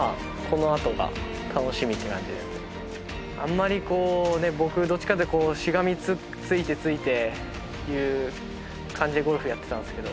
あんまりこう僕どっちかというとしがみついてついてっていう感じでゴルフやってたんですけど